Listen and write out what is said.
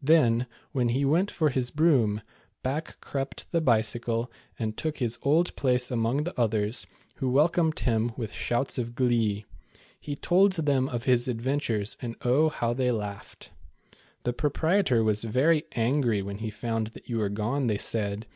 Then, when he went for his broom, back crept the Bicycle and took his old place among the others, who welcomed him with shouts of glee. He told them of his adventures, and oh, how they laughed. " The proprietor was very angry when he found that you were gone," they said.